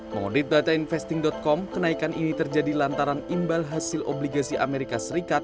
mengutip data investing com kenaikan ini terjadi lantaran imbal hasil obligasi amerika serikat